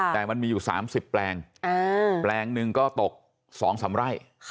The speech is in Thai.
แต่มันมีอยู่๓๐แปลงแปลงหนึ่งก็ตก๒๓ไร่